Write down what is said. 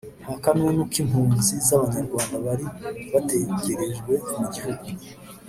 nta kanunu n'impunzi z'abanyarwanda bari bategerejwe mu gihugu!